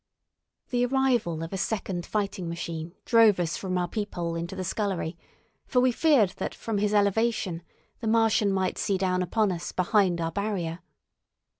The arrival of a second fighting machine drove us from our peephole into the scullery, for we feared that from his elevation the Martian might see down upon us behind our barrier.